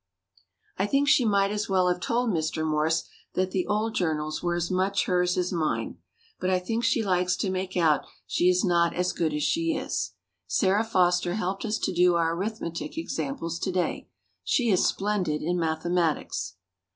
I think she might as well have told Mr. Morse that the old journals were as much hers as mine; but I think she likes to make out she is not as good as she is. Sarah Foster helped us to do our arithmetic examples to day. She is splendid in mathematics.